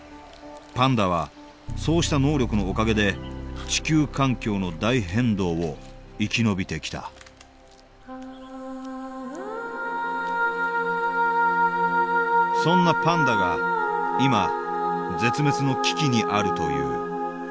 パンダはそうした能力のおかげで地球環境の大変動を生き延びてきたそんなパンダが今絶滅の危機にあるという。